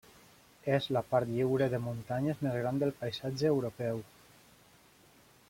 És la part lliure de muntanyes més gran del paisatge europeu.